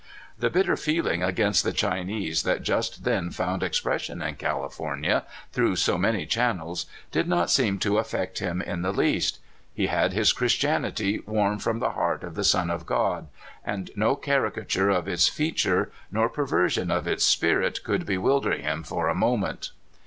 The bitter feeling against the Chinese that just then found expression in California, through so many channels, did not seem to affect him in the least. He had his Chris AH LEE. 203 tianity warm from the heart of the Son of God, and no caricature of its features or perversion of its spirit could bewilder him for a moment.